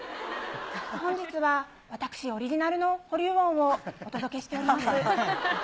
本日は、私オリジナルの保留音をお届けしております。